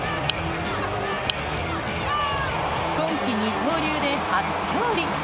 今季、二刀流で初勝利。